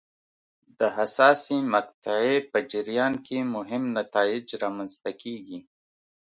د حساسې مقطعې په جریان کې مهم نتایج رامنځته کېږي.